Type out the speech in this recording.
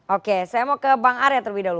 oke saya mau ke bang arya terlebih dahulu